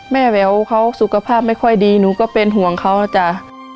แหววเขาสุขภาพไม่ค่อยดีหนูก็เป็นห่วงเขานะจ๊ะ